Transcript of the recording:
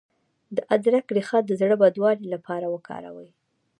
د ادرک ریښه د زړه بدوالي لپاره وکاروئ